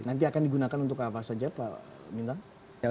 nanti akan digunakan untuk apa saja pak bintang